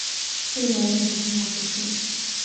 贝莱人口变化图示